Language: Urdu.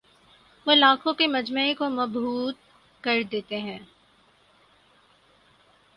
وہ لاکھوں کے مجمعے کو مبہوت کر دیتے ہیں